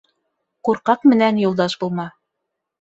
Курҡаҡ менән юлдаш булма